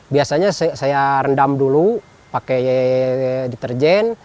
biasanya saya rendam dulu pakai deterjen